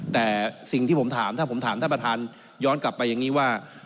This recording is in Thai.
แต่สิ่งที่ผมถามถ้าผมถามท่านประธานย้อนกลับไปอย่างนี้ว่า